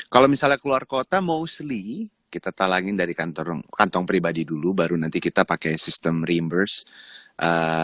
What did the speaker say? kalau misalnya keluar kota mostly kita talangin dari kantong pribadi dulu baru nanti kita pakai sistem reimburse